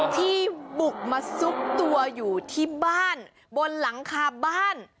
ที่บุกมาซุกตัวอยู่ที่บ้านบนหลังคาบ้าน